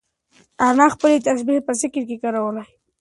انا خپلې تسبیح په ذکر کې کارولې.